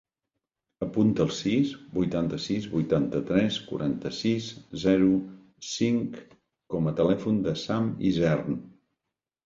Apunta el sis, vuitanta-sis, vuitanta-tres, quaranta-sis, zero, cinc com a telèfon del Sam Isern.